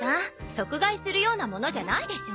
即買いするようなものじゃないでしょ？